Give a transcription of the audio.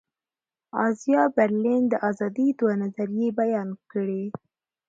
ازایا برلین د آزادي دوه نظریې بیان کړې.